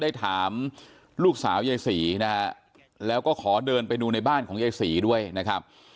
ได้ถามลูกสาวยายศรีนะฮะแล้วก็ขอเดินไปดูในบ้านของยายศรีด้วยนะครับ